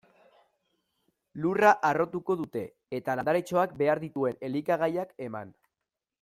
Lurra harrotuko dute, eta landaretxoak behar dituen elikagaiak eman.